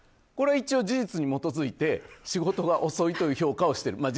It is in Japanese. これは一応事実に基づいて仕事が遅いという評価をしている。